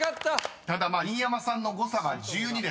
［ただまあ新山さんの誤差は１２です］